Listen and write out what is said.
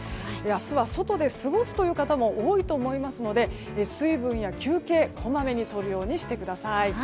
明日は外で過ごすという方も多いと思いますので水分や休憩、こまめにとるようにしてください。